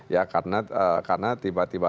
ya karena tiba tiba